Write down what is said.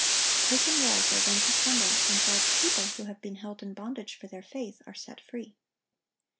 Prison walls are rent asunder, and God's people, who have been held in bondage for their faith, are set free.